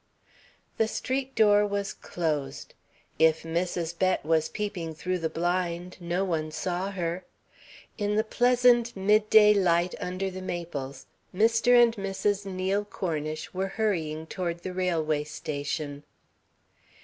The street door was closed. If Mrs. Bett was peeping through the blind, no one saw her. In the pleasant mid day light under the maples, Mr. and Mrs. Neil Cornish were hurrying toward the railway station.